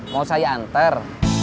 mau saya anter